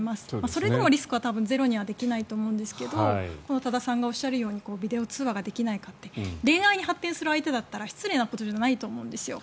それでもリスクは多分ゼロにはできないと思うんですけど多田さんがおっしゃるようにビデオ通話ができないかって恋愛に発展する相手だったら失礼なことじゃないと思うんですよ。